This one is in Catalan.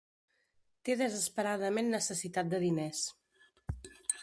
Té desesperadament necessitat de diners.